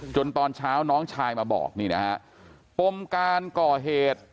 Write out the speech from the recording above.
จนตอนเช้าน้องชายมาบอกปมการก่อเหตุ